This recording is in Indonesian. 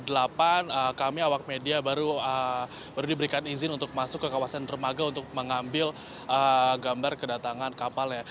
delapan kami awak media baru diberikan izin untuk masuk ke kawasan dermaga untuk mengambil gambar kedatangan kapalnya